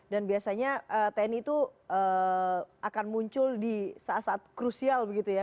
dan biasanya tni itu akan muncul di saat saat krusial begitu ya